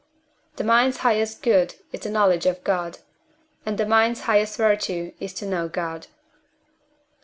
The mind's highest good is the knowledge of God, and the mind's highest virtue is to know God.